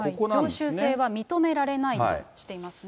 常習性は認められないとしていますね。